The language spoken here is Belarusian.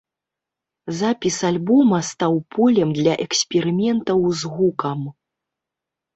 Запіс альбома стаў полем для эксперыментаў з гукам.